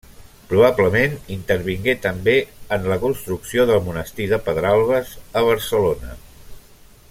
Probablement intervingué també en la construcció del monestir de Pedralbes, a Barcelona.